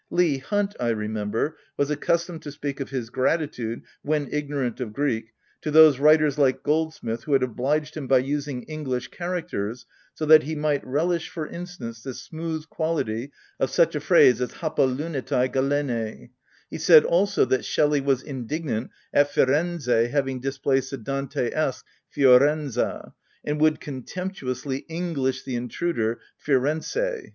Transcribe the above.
Leigh Hunt, I remember, was accustomed to speak of his gratitude, when ignorant of Greek, to those writers (like Goldsmith) who had obliged him by using English characters, so that he might relish, for instance, the smooth quality of such a phrase as " hapalunetai galene ;" he said also that Shelley was indignant at " Firenze " having displaced the Dant esque " Fiorenza," and would contemptuously English the intruder " Firence."